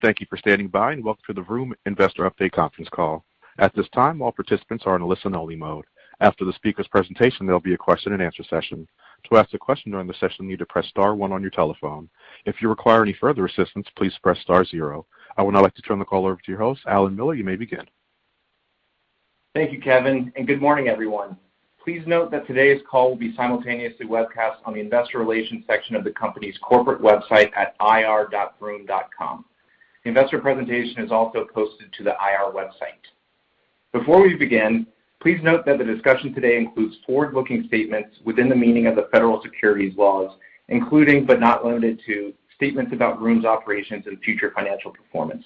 Thank you for standing by, welcome to the Vroom Investor Update Conference Call. At this time, all participants are in a listen only mode. After the speaker's presentation, there will be a question and answer session. To ask a question during the session, you need to press star one on your telephone. If you require any further assistance, please press star zero. I would now like to turn the call over to your host, Allen Miller. You may begin. Thank you, Kevin, and good morning everyone. Please note that today's call will be simultaneously webcast on the Investor Relations section of the company's corporate website at ir.vroom.com. The investor presentation is also posted to the IR website. Before we begin, please note that the discussion today includes forward-looking statements within the meaning of the federal securities laws, including, but not limited to, statements about Vroom's operations and future financial performance.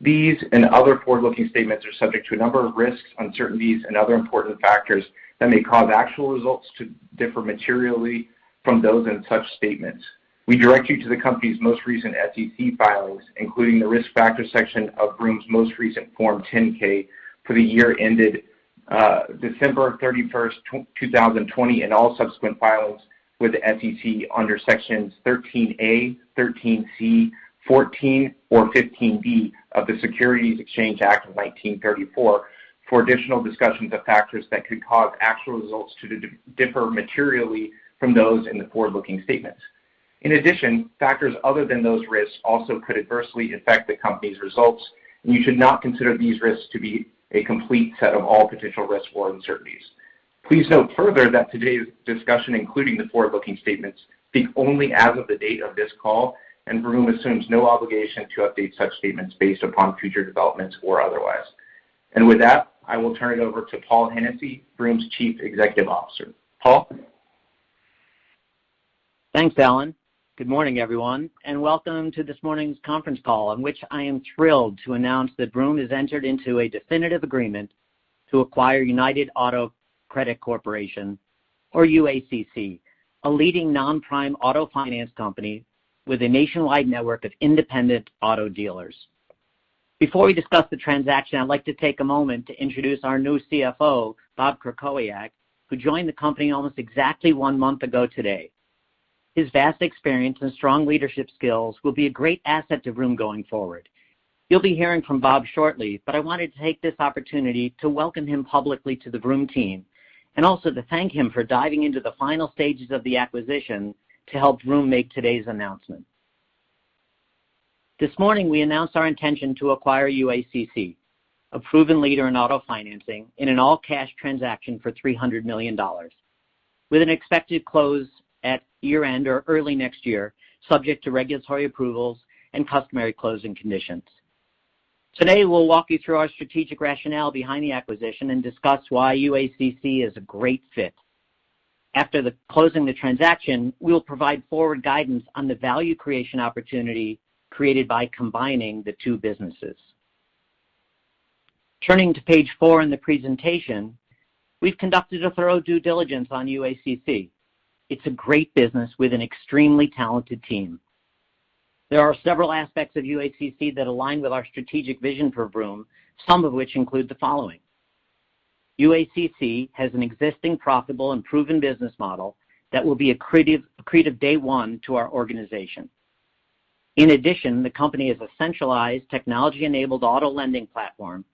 These and other forward-looking statements are subject to a number of risks, uncertainties, and other important factors that may cause actual results to differ materially from those in such statements. We direct you to the company's most recent SEC filings, including the risk factors section of Vroom's most recent Form 10-K for the year ended December 31st, 2020, and all subsequent filings with the SEC under Sections 13-A, 13-C, 14, or 15-D of the Securities Exchange Act of 1934 for additional discussions of factors that could cause actual results to differ materially from those in the forward-looking statements. In addition, factors other than those risks also could adversely affect the company's results, and you should not consider these risks to be a complete set of all potential risks or uncertainties. Please note further that today's discussion, including the forward-looking statements, speak only as of the date of this call, and Vroom assumes no obligation to update such statements based upon future developments or otherwise. With that, I will turn it over to Paul Hennessy, Vroom's Chief Executive Officer. Paul? Thanks, Allen. Good morning, everyone, and welcome to this morning's conference call in which I am thrilled to announce that Vroom has entered into a definitive agreement to acquire United Auto Credit Corporation, or UACC, a leading non-prime auto finance company with a nationwide network of independent auto dealers. Before we discuss the transaction, I'd like to take a moment to introduce our new CFO, Bob Krakowiak, who joined the company almost exactly one month ago today. His vast experience and strong leadership skills will be a great asset to Vroom going forward. You'll be hearing from Bob shortly, but I wanted to take this opportunity to welcome him publicly to the Vroom team and also to thank him for diving into the final stages of the acquisition to help Vroom make today's announcement. This morning, we announced our intention to acquire UACC, a proven leader in auto financing, in an all-cash transaction for $300 million with an expected close at year-end or early next year, subject to regulatory approvals and customary closing conditions. Today, we'll walk you through our strategic rationale behind the acquisition and discuss why UACC is a great fit. After the closing the transaction, we will provide forward guidance on the value creation opportunity created by combining the two businesses. Turning to page four in the presentation, we've conducted a thorough due diligence on UACC. It's a great business with an extremely talented team. There are several aspects of UACC that align with our strategic vision for Vroom, some of which include the following. UACC has an existing profitable and proven business model that will be accretive day one to our organization. In addition, the company is a centralized technology-enabled auto lending platform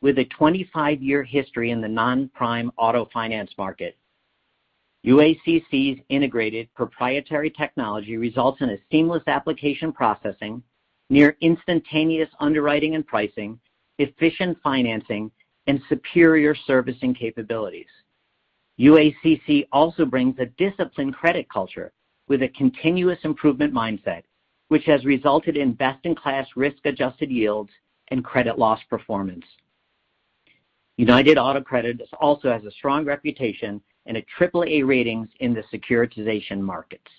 with a 25-year history in the non-prime auto finance market. UACC's integrated proprietary technology results in a seamless application processing, near instantaneous underwriting and pricing, efficient financing, and superior servicing capabilities. UACC also brings a disciplined credit culture with a continuous improvement mindset, which has resulted in best-in-class risk-adjusted yields and credit loss performance. United Auto Credit also has a strong reputation and AAA ratings in the securitization markets.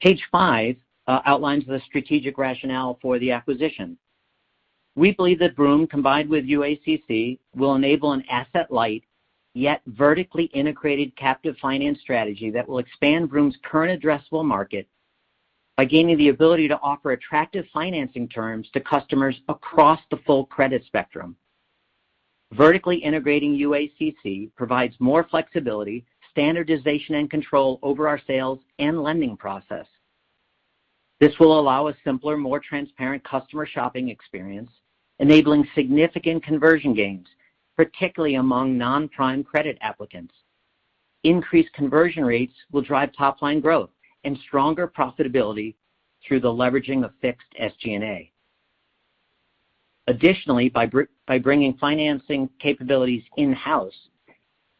Page five outlines the strategic rationale for the acquisition. We believe that Vroom, combined with UACC, will enable an asset-light, yet vertically integrated captive finance strategy that will expand Vroom's current addressable market by gaining the ability to offer attractive financing terms to customers across the full credit spectrum. Vertically integrating UACC provides more flexibility, standardization, and control over our sales and lending process. This will allow a simpler, more transparent customer shopping experience, enabling significant conversion gains, particularly among non-prime credit applicants. Increased conversion rates will drive top-line growth and stronger profitability through the leveraging of fixed SG&A. Additionally, by bringing financing capabilities in-house,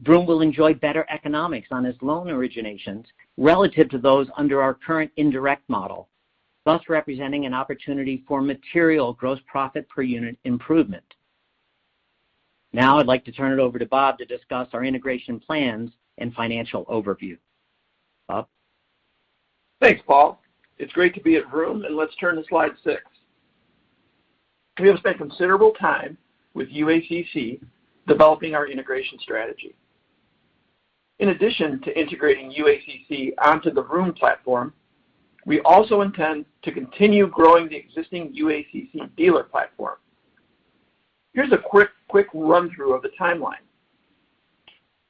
Vroom will enjoy better economics on its loan originations relative to those under our current indirect model, thus representing an opportunity for material gross profit per unit improvement. I'd like to turn it over to Bob to discuss our integration plans and financial overview. Bob? Thanks, Paul. It's great to be at Vroom, and let's turn to slide six. We have spent considerable time with UACC developing our integration strategy. In addition to integrating UACC onto the Vroom platform, we also intend to continue growing the existing UACC dealer platform. Here's a quick run-through of the timeline.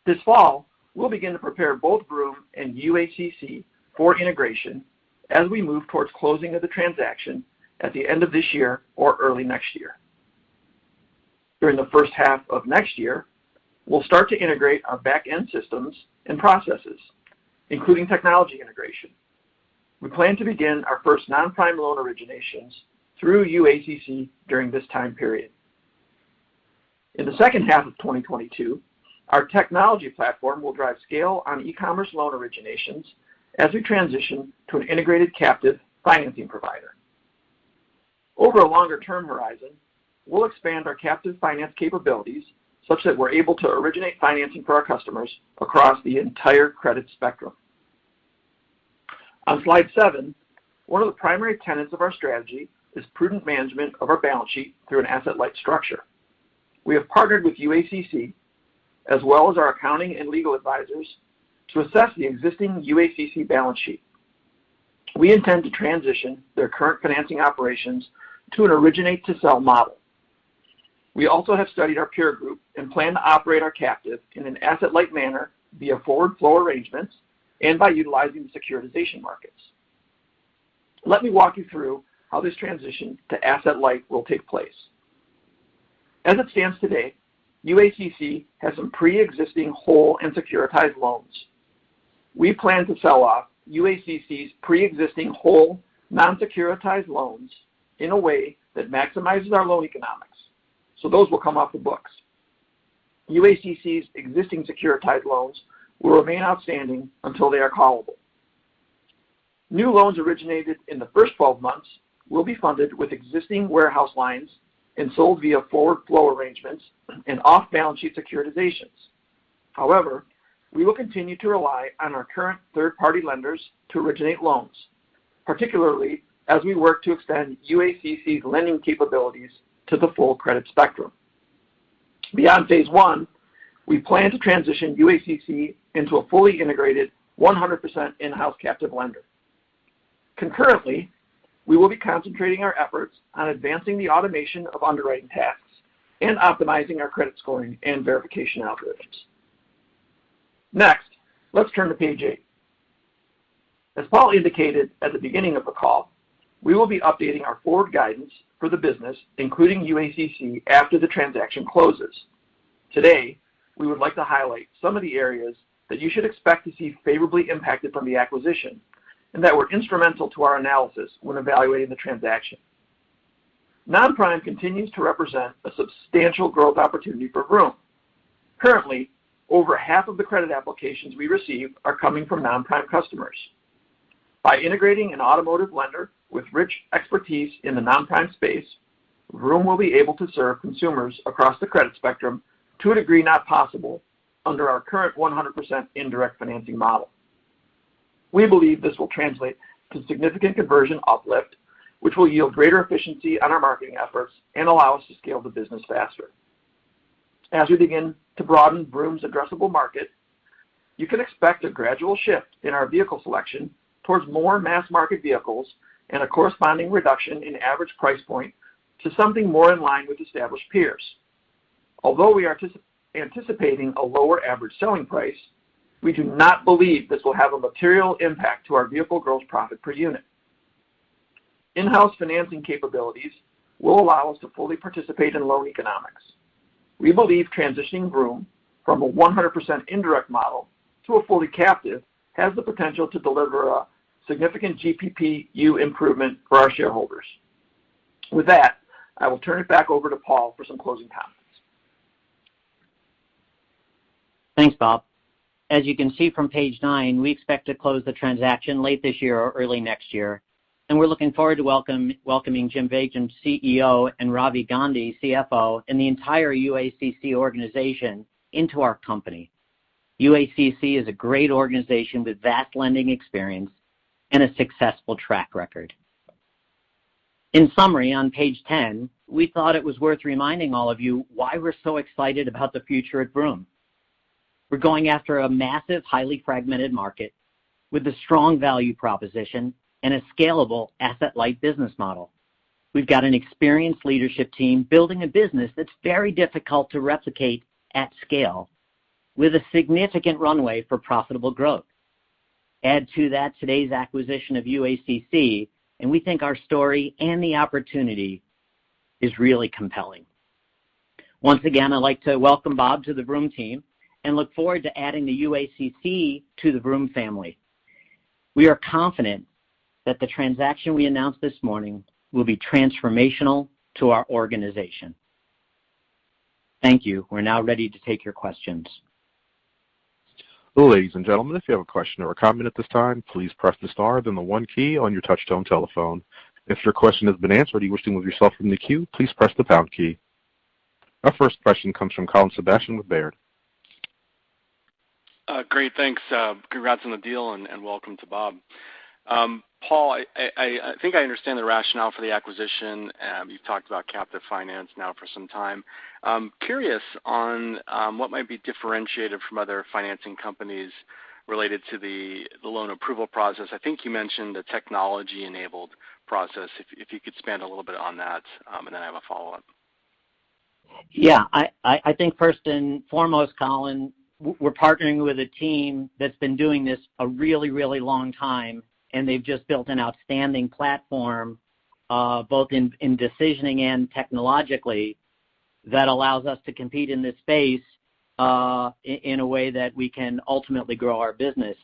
This fall, we'll begin to prepare both Vroom and UACC for integration as we move towards closing of the transaction at the end of this year or early next year. During the first half of next year, we'll start to integrate our back-end systems and processes, including technology integration. We plan to begin our first non-prime loan originations through UACC during this time period. In the second half of 2022, our technology platform will drive scale on e-commerce loan originations as we transition to an integrated captive financing provider. Over a longer-term horizon, we'll expand our captive finance capabilities such that we're able to originate financing for our customers across the entire credit spectrum. On slide seven, one of the primary tenets of our strategy is prudent management of our balance sheet through an asset-light structure. We have partnered with UACC, as well as our accounting and legal advisors, to assess the existing UACC balance sheet. We intend to transition their current financing operations to an originate-to-sell model. We also have studied our peer group and plan to operate our captive in an asset-light manner via forward flow arrangements and by utilizing the securitization markets. Let me walk you through how this transition to asset-light will take place. As it stands today, UACC has some preexisting whole and securitized loans. We plan to sell off UACC's preexisting whole non-securitized loans in a way that maximizes our loan economics. Those will come off the books. UACC's existing securitized loans will remain outstanding until they are callable. New loans originated in the first 12 months will be funded with existing warehouse lines and sold via forward flow arrangements and off-balance-sheet securitizations. However, we will continue to rely on our current third-party lenders to originate loans, particularly as we work to extend UACC's lending capabilities to the full credit spectrum. Beyond phase I, we plan to transition UACC into a fully integrated 100% in-house captive lender. Concurrently, we will be concentrating our efforts on advancing the automation of underwriting tasks and optimizing our credit scoring and verification algorithms. Next, let's turn to page eight. As Paul indicated at the beginning of the call, we will be updating our forward guidance for the business, including UACC, after the transaction closes. Today, we would like to highlight some of the areas that you should expect to see favorably impacted from the acquisition and that were instrumental to our analysis when evaluating the transaction. Non-prime continues to represent a substantial growth opportunity for Vroom. Currently, over half of the credit applications we receive are coming from non-prime customers. By integrating an automotive lender with rich expertise in the non-prime space, Vroom will be able to serve consumers across the credit spectrum to a degree not possible under our current 100% indirect financing model. We believe this will translate to significant conversion uplift, which will yield greater efficiency on our marketing efforts and allow us to scale the business faster. As we begin to broaden Vroom's addressable market, you can expect a gradual shift in our vehicle selection towards more mass-market vehicles and a corresponding reduction in average price point to something more in line with established peers. Although we are anticipating a lower average selling price, we do not believe this will have a material impact to our vehicle gross profit per unit. In-house financing capabilities will allow us to fully participate in loan economics. We believe transitioning Vroom from a 100% indirect model to a fully captive has the potential to deliver a significant GPPU improvement for our shareholders. With that, I will turn it back over to Paul for some closing comments. Thanks, Bob. As you can see from page nine, we expect to close the transaction late this year or early next year, and we're looking forward to welcoming Jim Vagim, CEO, and Ravi Gandhi, CFO, and the entire UACC organization into our company. UACC is a great organization with vast lending experience and a successful track record. In summary, on page 10, we thought it was worth reminding all of you why we're so excited about the future at Vroom. We're going after a massive, highly fragmented market with a strong value proposition and a scalable asset-light business model. We've got an experienced leadership team building a business that's very difficult to replicate at scale, with a significant runway for profitable growth. Add to that today's acquisition of UACC, and we think our story and the opportunity is really compelling. Once again, I'd like to welcome Bob to the Vroom team and look forward to adding the UACC to the Vroom family. We are confident that the transaction we announced this morning will be transformational to our organization. Thank you. We're now ready to take your questions. Ladies and gentlemen if you have a question or comment at this time, please press the star then the one key on your touchtone telephone. If your question has been answered or you wish to remove yourself from the queue, please press the pound key. Our first question comes from Colin Sebastian with Baird. Great. Thanks. Congrats on the deal and welcome to Bob. Paul, I think I understand the rationale for the acquisition. You've talked about captive finance now for some time. I'm curious on what might be differentiated from other financing companies related to the loan approval process. I think you mentioned a technology-enabled process, if you could expand a little bit on that, and then I have a follow-up. Yeah. I think first and foremost, Colin, we're partnering with a team that's been doing this a really long time, and they've just built an outstanding platform both in decisioning and technologically that allows us to compete in this space in a way that we can ultimately grow our business.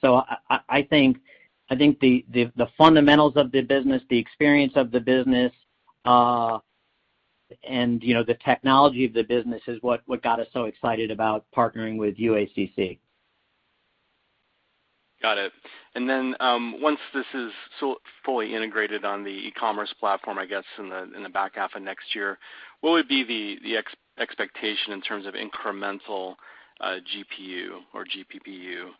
I think the fundamentals of the business, the experience of the business, and the technology of the business is what got us so excited about partnering with UACC. Got it. Once this is fully integrated on the e-commerce platform, I guess in the back half of next year, what would be the expectation in terms of incremental GPU or GPPU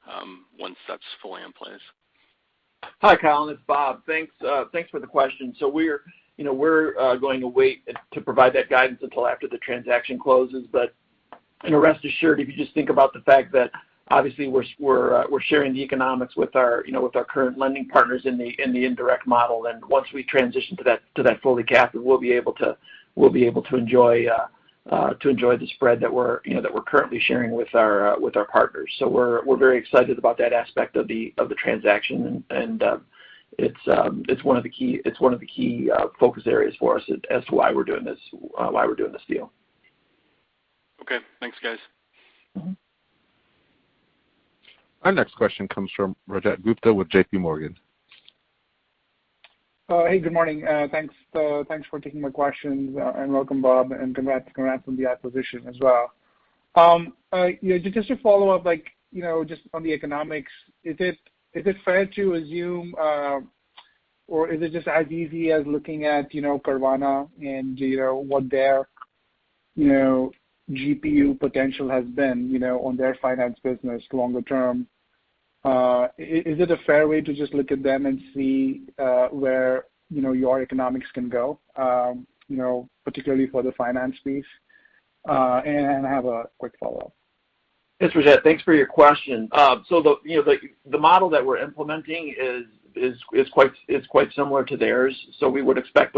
once that's fully in place? Hi, Colin, it's Bob. Thanks for the question. We're going to wait to provide that guidance until after the transaction closes. Rest assured, if you just think about the fact that obviously we're sharing the economics with our current lending partners in the indirect model. Once we transition to that fully captive, we'll be able to enjoy the spread that we're currently sharing with our partners. We're very excited about that aspect of the transaction, and it's one of the key focus areas for us as to why we're doing this deal. Okay. Thanks, guys. Our next question comes from Rajat Gupta with JPMorgan. Hey, good morning. Thanks for taking my questions. Welcome, Bob. Congrats on the acquisition as well. Just to follow up, just on the economics, is it fair to assume or is it just as easy as looking at Carvana and what their GPU potential has been on their finance business longer term? Is it a fair way to just look at them and see where your economics can go particularly for the finance piece? I have a quick follow-up. Yes, Rajat. Thanks for your question. The model that we're implementing is quite similar to theirs. We would expect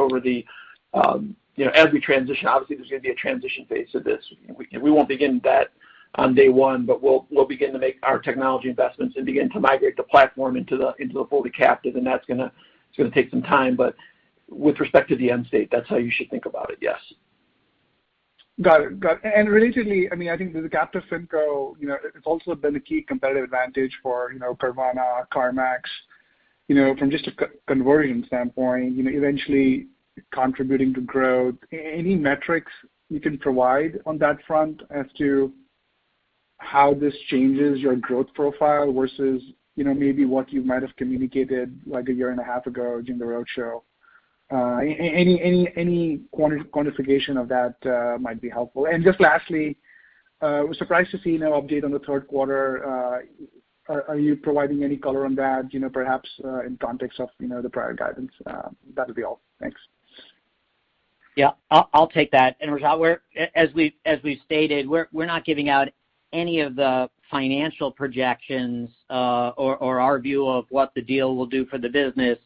as we transition, obviously there's going to be a transition phase to this. We won't begin that on day one, but we'll begin to make our technology investments and begin to migrate the platform into the fully captive. That's going to take some time. With respect to the end state, that's how you should think about it, yes. Got it. Relatedly, I think the captive finco, it's also been a key competitive advantage for Carvana, CarMax. From just a conversion standpoint, eventually contributing to growth. Any metrics you can provide on that front as to how this changes your growth profile versus maybe what you might have communicated a year and a half ago during the roadshow? Any quantification of that might be helpful. Just lastly, was surprised to see no update on the third quarter. Are you providing any color on that perhaps in context of the prior guidance? That would be all. Thanks. Yeah. I'll take that. Rajat, as we've stated, we're not giving out any of the financial projections or our view of what the deal will do for the business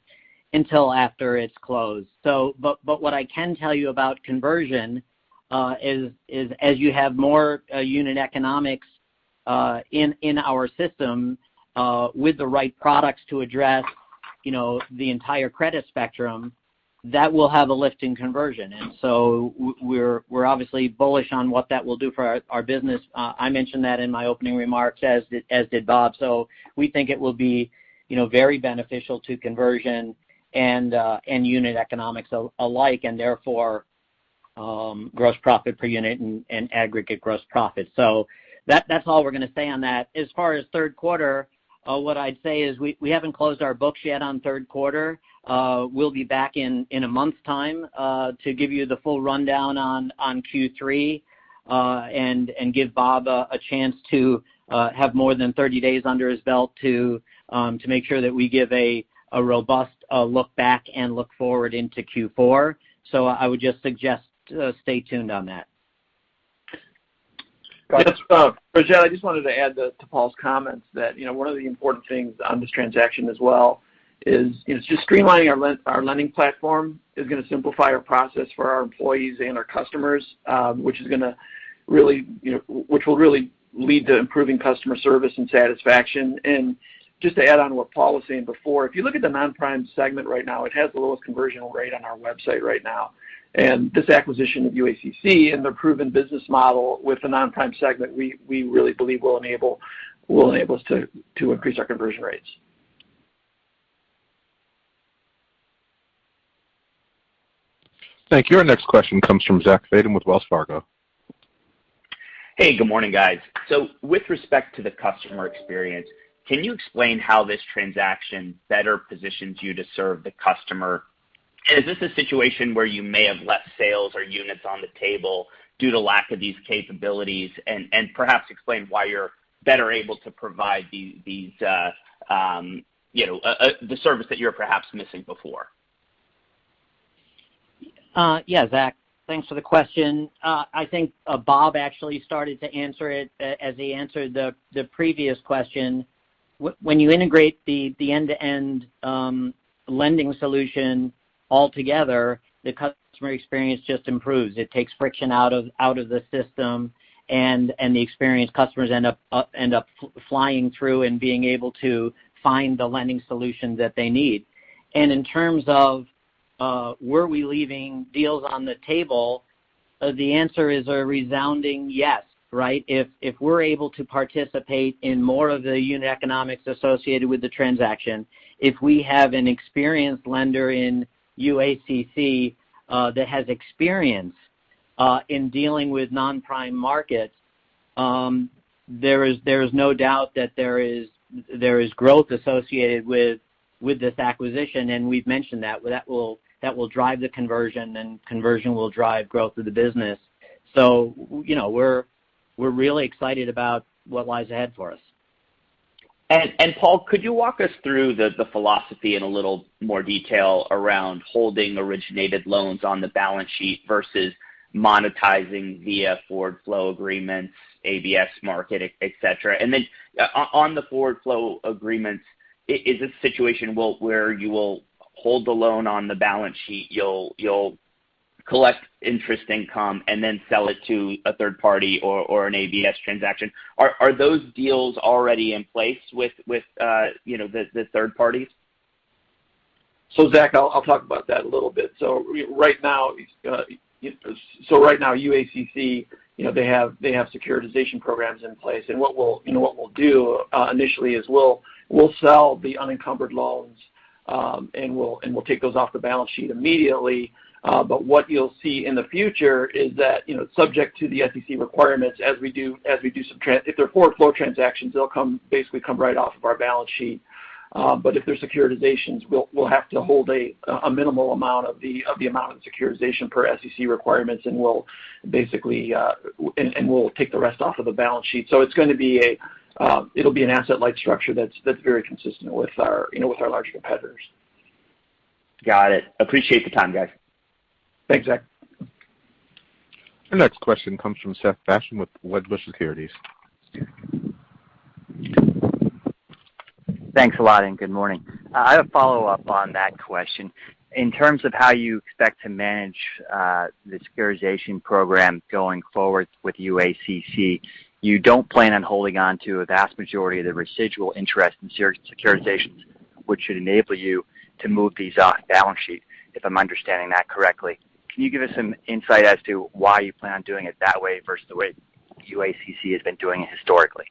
until after it's closed. What I can tell you about conversion is as you have more unit economics in our system with the right products to address the entire credit spectrum, that will have a lift in conversion. We're obviously bullish on what that will do for our business. I mentioned that in my opening remarks, as did Bob. We think it will be very beneficial to conversion and unit economics alike, and therefore gross profit per unit and aggregate gross profit. That's all we're going to say on that. As far as third quarter, what I'd say is we haven't closed our books yet on third quarter. We'll be back in a month's time to give you the full rundown on Q3 and give Bob a chance to have more than 30 days under his belt to make sure that we give a robust look back and look forward into Q4. I would just suggest stay tuned on that. Yes, Rajat, I just wanted to add to Paul's comments that one of the important things on this transaction as well is just streamlining our lending platform is going to simplify our process for our employees and our customers which will really lead to improving customer service and satisfaction. Just to add on to what Paul was saying before, if you look at the non-prime segment right now, it has the lowest conversion rate on our website right now. This acquisition of UACC and their proven business model with the non-prime segment, we really believe will enable us to increase our conversion rates. Thank you. Our next question comes from Zach Fadem with Wells Fargo. Good morning, guys. With respect to the customer experience, can you explain how this transaction better positions you to serve the customer? Is this a situation where you may have left sales or units on the table due to lack of these capabilities? Perhaps explain why you're better able to provide the service that you were perhaps missing before. Yeah, Zach. Thanks for the question. I think Bob actually started to answer it as he answered the previous question. When you integrate the end-to-end lending solution all together, the customer experience just improves. It takes friction out of the system, and the experienced customers end up flying through and being able to find the lending solution that they need. In terms of were we leaving deals on the table, the answer is a resounding yes, right? If we're able to participate in more of the unit economics associated with the transaction, if we have an experienced lender in UACC that has experience in dealing with non-prime markets, there is no doubt that there is growth associated with this acquisition, and we've mentioned that will drive the conversion, and conversion will drive growth of the business. We're really excited about what lies ahead for us. Paul, could you walk us through the philosophy in a little more detail around holding originated loans on the balance sheet versus monetizing via forward flow agreements, ABS market, et cetera? Then on the forward flow agreements, is this a situation where you will hold the loan on the balance sheet, you'll collect interest income, and then sell it to a third party or an ABS transaction? Are those deals already in place with the third parties? Zach, I'll talk about that a little bit. Right now, UACC, they have securitization programs in place. What we'll do initially is we'll sell the unencumbered loans, and we'll take those off the balance sheet immediately. What you'll see in the future is that, subject to the SEC requirements, if they're forward flow transactions, they'll basically come right off of our balance sheet. If they're securitizations, we'll have to hold a minimal amount of the amount of securitization per SEC requirements, and we'll take the rest off of the balance sheet. It's going to be an asset-light structure that's very consistent with our large competitors. Got it. Appreciate the time, guys. Thanks, Zach. Our next question comes from Seth Basham with Wedbush Securities. Thanks a lot, and good morning. I have a follow-up on that question. In terms of how you expect to manage the securitization program going forward with UACC, you don't plan on holding onto a vast majority of the residual interest in securitizations, which should enable you to move these off balance sheet, if I'm understanding that correctly. Can you give us some insight as to why you plan on doing it that way versus the way UACC has been doing it historically?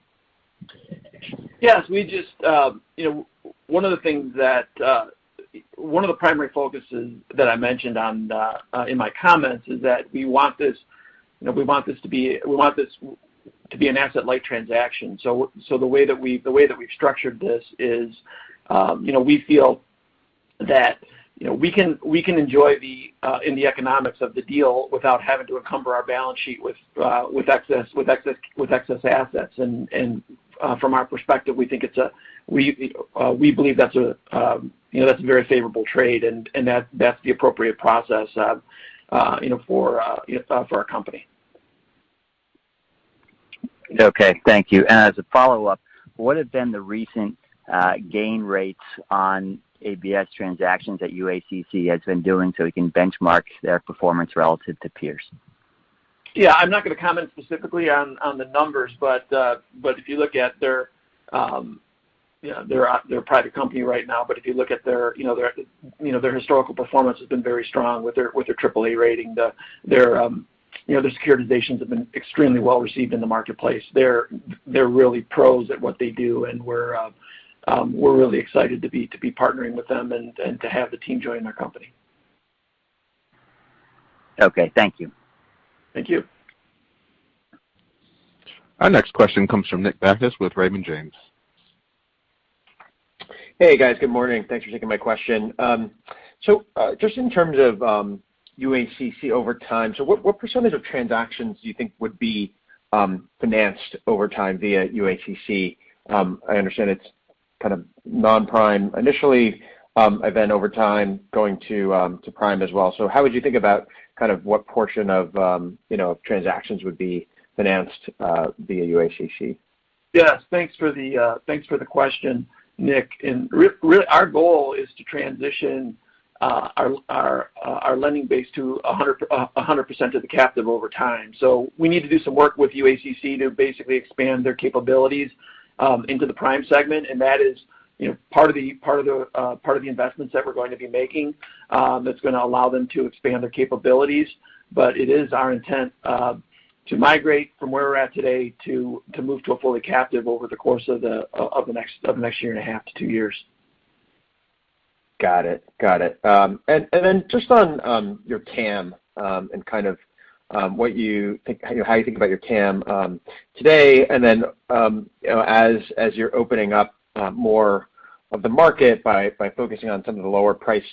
Yes. One of the primary focuses that I mentioned in my comments is that we want this to be an asset-light transaction. The way that we've structured this is, we feel that we can enjoy in the economics of the deal without having to encumber our balance sheet with excess assets. From our perspective, we believe that's a very favorable trade, and that's the appropriate process for our company. Okay. Thank you. As a follow-up, what have been the recent gain rates on ABS transactions that UACC has been doing so we can benchmark their performance relative to peers? Yeah, I'm not going to comment specifically on the numbers. They're a private company right now, but if you look at their historical performance has been very strong with their AAA rating. Their securitizations have been extremely well-received in the marketplace. They're really pros at what they do, and we're really excited to be partnering with them and to have the team join our company. Okay. Thank you. Thank you. Our next question comes from Nick Bacchus with Raymond James. Hey, guys. Good morning. Thanks for taking my question. Just in terms of UACC over time, what % of transactions do you think would be financed over time via UACC? I understand it's kind of non-prime initially, and then over time, going to prime as well. How would you think about what portion of transactions would be financed via UACC? Yes. Thanks for the question, Nick. Really, our goal is to transition our lending base to 100% of the captive over time. We need to do some work with UACC to basically expand their capabilities into the prime segment, and that is part of the investments that we're going to be making. That's going to allow them to expand their capabilities. It is our intent to migrate from where we're at today to move to a fully captive over the course of the next year and a half to two years. Got it. Just on your TAM and how you think about your TAM today, and then as you're opening up more of the market by focusing on some of the lower price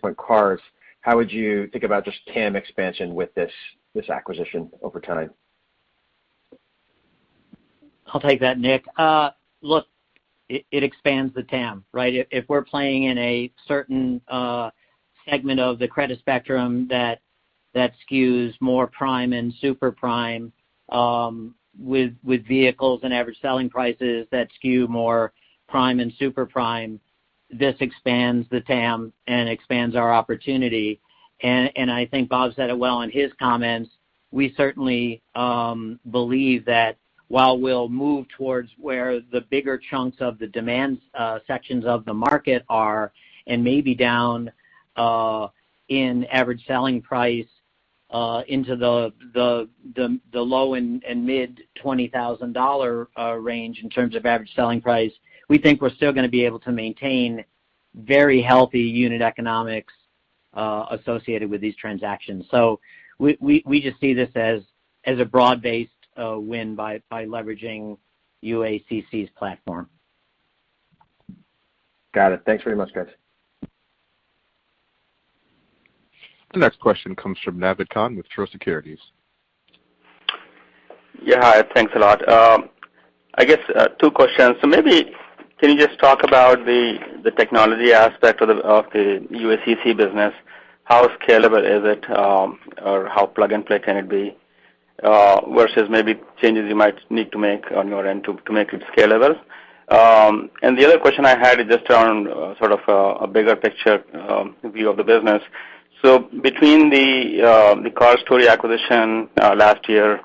point cars, how would you think about just TAM expansion with this acquisition over time? I'll take that, Nick. Look, it expands the TAM, right? If we're playing in a certain segment of the credit spectrum that skews more prime and super prime with vehicles and average selling prices that skew more prime and super prime, this expands the TAM and expands our opportunity. I think Bob said it well in his comments. We certainly believe that while we'll move towards where the bigger chunks of the demand sections of the market are, and maybe down in average selling price into the low and mid-$20,000 range in terms of average selling price, we think we're still going to be able to maintain very healthy unit economics associated with these transactions. We just see this as a broad-based win by leveraging UACC's platform. Got it. Thanks very much, guys. The next question comes from Naved Khan with Truist Securities. Yeah, hi. Thanks a lot. I guess two questions. Maybe can you just talk about the technology aspect of the UACC business, how scalable is it, or how plug-and-play can it be, versus maybe changes you might need to make on your end to make it scalable? The other question I had is just around sort of a bigger picture view of the business. Between The CarStory acquisition last year,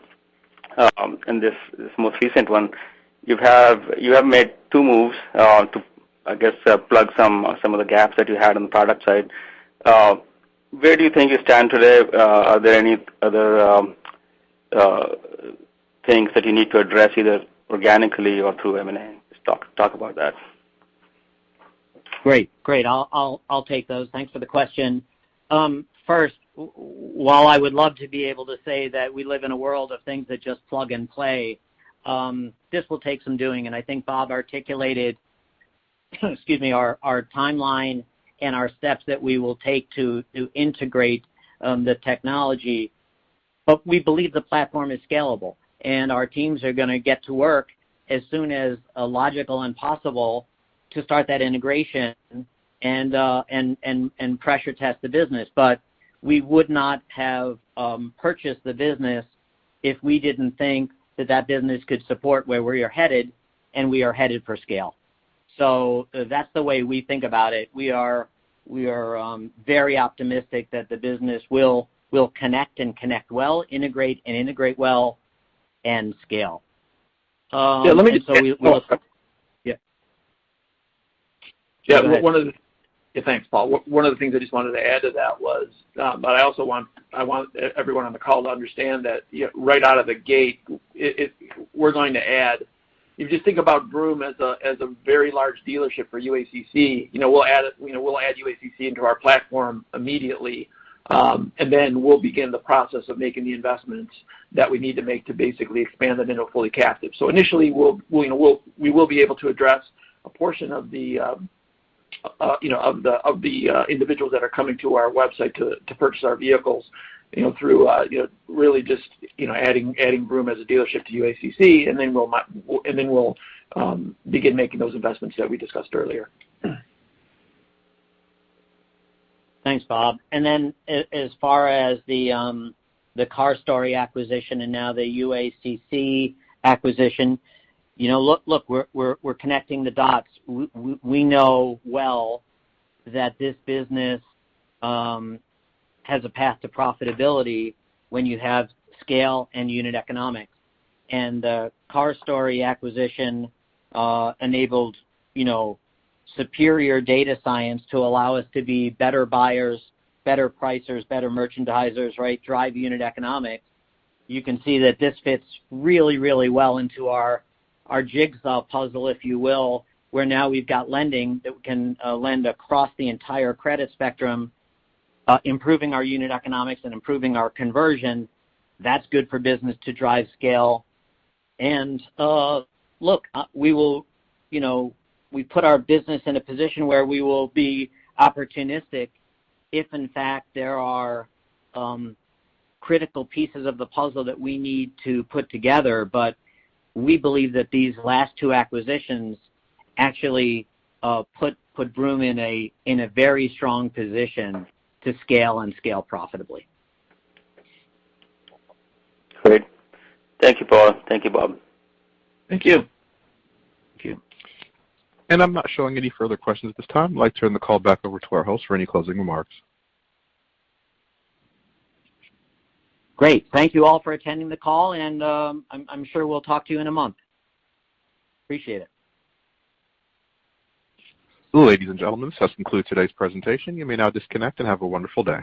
and this most recent one, you have made two moves to, I guess, plug some of the gaps that you had on the product side. Where do you think you stand today? Are there any other things that you need to address, either organically or through M&A? Just talk about that. Great. I'll take those. Thanks for the question. While I would love to be able to say that we live in a world of things that just plug and play, this will take some doing. I think Bob articulated our timeline and our steps that we will take to integrate the technology. We believe the platform is scalable, and our teams are going to get to work as soon as logical and possible to start that integration and pressure test the business. We would not have purchased the business if we didn't think that that business could support where we are headed, and we are headed for scale. That's the way we think about it. We are very optimistic that the business will connect and connect well, integrate and integrate well, and scale. Yeah, let me just add Paul. Yeah. Go ahead. Yeah. Thanks, Paul. One of the things I just wanted to add to that was, but I also want everyone on the call to understand that right out of the gate, we're going to add If you think about Vroom as a very large dealership for UACC, we'll add UACC into our platform immediately, and then we'll begin the process of making the investments that we need to make to basically expand them into a fully captive. Initially, we will be able to address a portion of the individuals that are coming to our website to purchase our vehicles through really just adding Vroom as a dealership to UACC. Then we'll begin making those investments that we discussed earlier. Thanks, Bob. As far as the CarStory acquisition and now the UACC acquisition, look, we're connecting the dots. We know well that this business has a path to profitability when you have scale and unit economics. The CarStory acquisition enabled superior data science to allow us to be better buyers, better pricers, better merchandisers, right? Drive unit economics. You can see that this fits really well into our jigsaw puzzle, if you will, where now we've got lending that we can lend across the entire credit spectrum, improving our unit economics and improving our conversion. That's good for business to drive scale. Look, we put our business in a position where we will be opportunistic if, in fact, there are critical pieces of the puzzle that we need to put together. We believe that these last two acquisitions actually put Vroom in a very strong position to scale and scale profitably. Great. Thank you, Paul. Thank you, Bob. Thank you. Thank you. I'm not showing any further questions at this time. I'd like to turn the call back over to our host for any closing remarks. Great. Thank you all for attending the call. I'm sure we'll talk to you in a month. Appreciate it. Ladies and gentlemen, this does conclude today's presentation. You may now disconnect, and have a wonderful day.